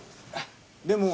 でも。